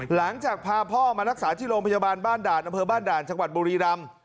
หลังจากพาพ่อมารักษาที่โรงพยาบาลบ้านด่านอำเภอบ้านด่านจังหวัดบุรีรำ